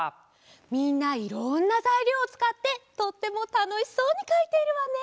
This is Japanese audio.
みんないろんなざいりょうをつかってとってもたのしそうにかいているわね。